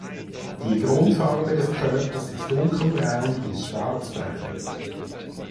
Die Grundfarbe des Körpers ist dunkelbraun bis schwarzbraun.